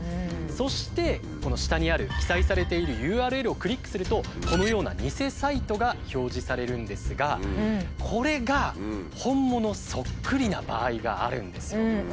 そしてこの下にある記載されているＵＲＬをクリックするとこのような偽サイトが表示されるんですがこれが本物そっくりな場合があるんですよ。